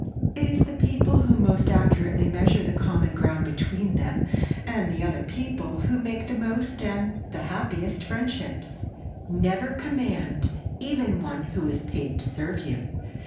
It is the people who most accurately measure the common ground between them and other people who make the most and the happiest friendships. Never command even one who is paid to serve you.